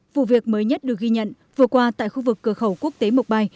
vụ việc mới nhất được ghi nhận vừa qua tại khu vực cửa khẩu quốc tế mộc bài